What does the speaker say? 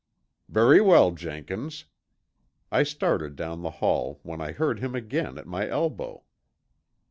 "Very well, Jenkins." I started down the hall when I heard him again at my elbow.